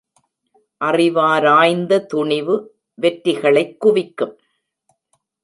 அறிவாராய்ந்த துணிவு வெற்றிகளைக் குவிக்கும்.